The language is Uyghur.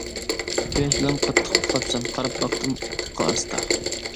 قۇياش بىلەن قاتتىق ئۇخلاپسەن، قاراپ باقتىم ئۇپۇققا ئاستا.